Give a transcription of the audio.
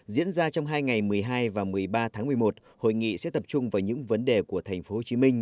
diễn ra trong hai ngày một mươi hai và một mươi ba tháng một mươi một hội nghị sẽ tập trung vào những vấn đề của tp hcm